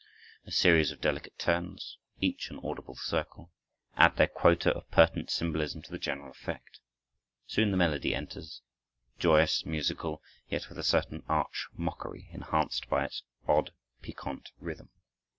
A series of delicate turns, each an audible circle, add their quota of pertinent symbolism to the general effect. Soon the melody enters, joyous, musical, yet with a certain arch mockery, enhanced by its odd, piquant rhythm.